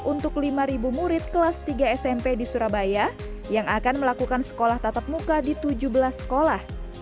untuk lima murid kelas tiga smp di surabaya yang akan melakukan sekolah tatap muka di tujuh belas sekolah